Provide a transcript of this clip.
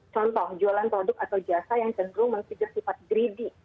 contoh jualan produk atau jasa yang cenderung men trigger sifat greedy